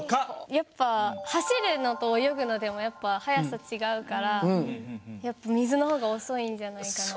やっぱ走るのと泳ぐのでも速さ違うから水の方が遅いんじゃないかなと。